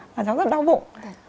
là nó rất đau bụng